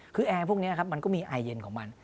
คือแอร์พวกนี้ครับมันก็มีไอเย็นของมัน